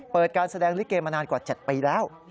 การแสดงลิเกมานานกว่า๗ปีแล้ว